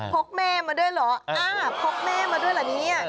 พกแม่มาด้วยเหรอพกแม่มาด้วยแหละนี้